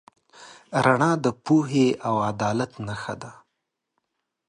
رڼا د پوهې او عدالت نښه ده.